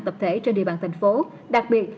tập thể trên địa bàn thành phố đặc biệt